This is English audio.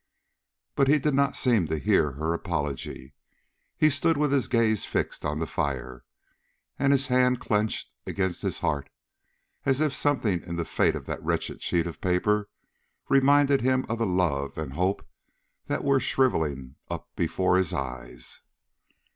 But he did not seem to hear her apology. He stood with his gaze fixed on the fire, and his hand clenched against his heart, as if something in the fate of that wretched sheet of paper reminded him of the love and hope that were shrivelling up before his eyes.